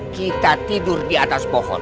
kita tidur di atas pohon